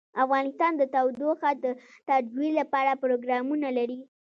افغانستان د تودوخه د ترویج لپاره پروګرامونه لري.